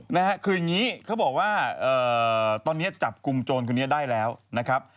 นะฮะคืออย่างนี้เขาบอกว่าตอนนี้จับกลุ่มโจรคนนี้ได้แล้วนะครับ